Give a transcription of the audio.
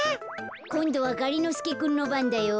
こんどはがりのすけくんのばんだよ。